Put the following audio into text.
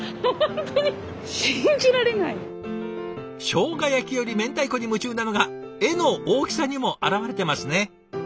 しょうが焼きより明太子に夢中なのが絵の大きさにも表れてますね。